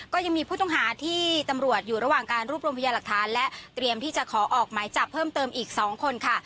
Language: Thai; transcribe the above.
ก็ยังมีผู้ต้องหาที่ตำรวจอยู่ระหว่างการรวบรวมพยาหลักฐานและเตรียมที่จะขอออกหมายจับเพิ่มเติมอีก๒คนค่ะ